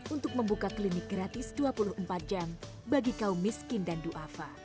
untuk membuka klinik gratis dua puluh empat jam bagi kaum miskin dan ⁇ duafa ⁇